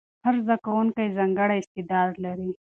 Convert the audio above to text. هر زده کوونکی ځانګړی استعداد لري.